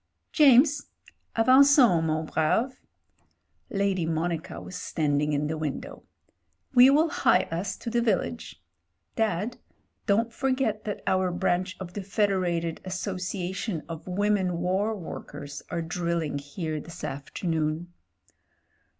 "James — ^avangons, mon brave.*' Lady Monica was standing in the window. "We will hie us to the village. Dad, don't forget that our branch of the Fed erated Association of Women War Workers are drill ing here this afternoon."